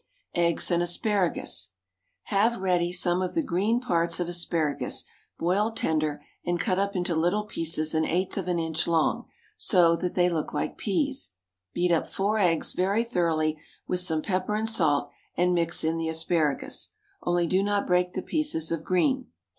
EGGS AND ASPARAGUS. Have ready some of the green parts of asparagus, boiled tender, and cut up into little pieces an eighth of an inch long so that they look like peas. Beat up four eggs very thoroughly with some pepper and salt, and mix in the asparagus, only do not break the pieces of green.